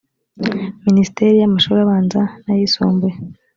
minisiteri y amashuri abanza n ayisumbuye